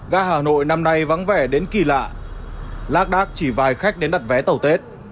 gà hà nội năm nay vắng vẻ đến kỳ lạ lát đát chỉ vài khách đến đặt vé tẩu tết